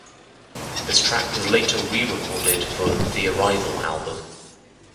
This track was later re-recorded for "The Arrival" album.